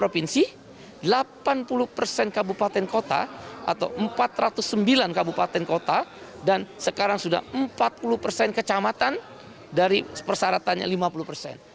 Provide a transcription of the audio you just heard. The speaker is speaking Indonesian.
delapan puluh persen kabupaten kota atau empat ratus sembilan kabupaten kota dan sekarang sudah empat puluh persen kecamatan dari persyaratannya lima puluh persen